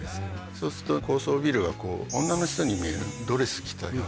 そうすると高層ビルがこう女の人に見えるドレス着たよう。